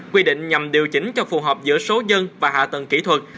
quy định nhằm điều chỉnh cho phù hợp giữa số dân và hạ tầng kỹ thuật